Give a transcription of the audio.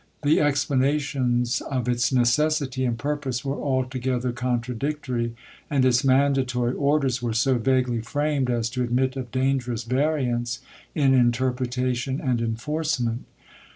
The explanations of its necessity and purpose were altogether contradictory, and its mandatory orders were so vaguely framed as to admit of dangerous variance in interpretation and enforcement.